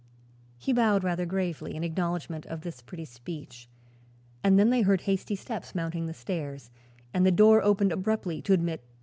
He bowed rather gravely in acknowledgment of this pretty speech and then they heard hasty steps mounting the stairs and the door opened abruptly to admit Mr. Spaythe.